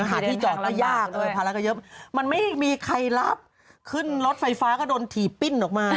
หาที่จอดก็ยากภาระก็เยอะมันไม่มีใครรับขึ้นรถไฟฟ้าก็โดนถีบปิ้นออกมา